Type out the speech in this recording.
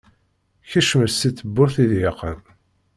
Kecmet si tebburt iḍeyqen.